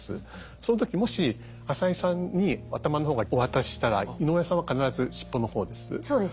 その時もし浅井さんに頭の方をお渡ししたら井上さんは必ず尻尾の方です。